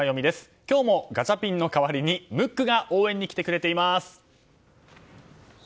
今日もガチャピンの代わりにムックが応援に来てくれています。